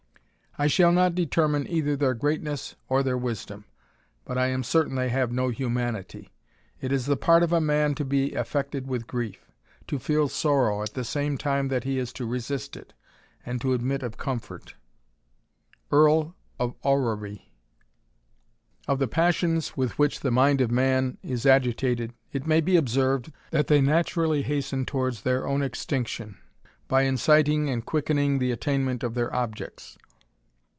I shall not determine either their greatness or their wisdom ; but I am certain they have no humanity. It is the part of a man to be affected with grief; to feel sorrow, at the same time that he is to resist it, and to admit of comfort. Earl of Orrery. C\^ the passions with which the mind of man is agitated, ^^ it may be observed, that they naturally hasten towards their own extinction, by inciting and quickening the attainment of their objects.